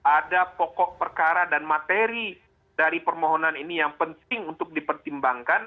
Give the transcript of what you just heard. ada pokok perkara dan materi dari permohonan ini yang penting untuk dipertimbangkan